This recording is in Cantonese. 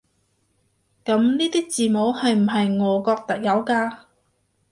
噉呢啲字母係唔係俄國特有㗎？